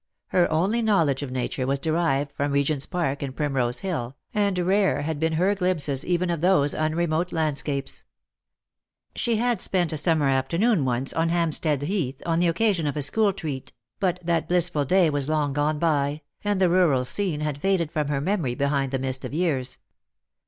Her only knowledge of nature was derived from Regent's park and Primrose hill, and rare had been her glimpses even of those un remote landscapes. She had spent a summer afternoon once on Hampstead heath on the occasion of a school treat ; but that Lost for Love. 81 blissful day was long gone by, and the rural scene had faded from her memory behind the mist of years.